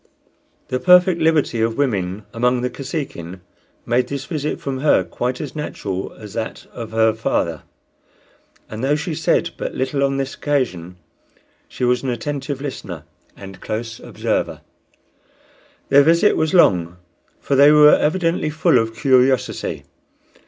The perfect liberty of women among the Kosekin made this visit from her quite as natural as that of her father; and though she said but little on this occasion, she was an attentive listener and close observer. Their visit was long, for they were evidently full of curiosity.